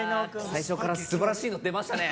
◆最初からすばらしいの出ましたね。